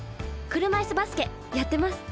車いすバスケやってます。